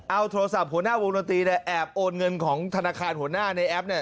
เอาโทรศัพท์หัวหน้าวงตรีแอบโอนเงินของธนาคารหัวหน้าในแอป